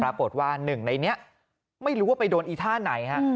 ปรากฏว่าหนึ่งในนี้ไม่รู้ว่าไปโดนอีท่าไหนฮะ